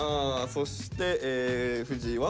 そして藤井は？